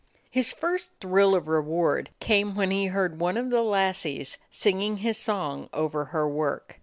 His first thrill of reward came when he heard one of the lassies singing his song over her work.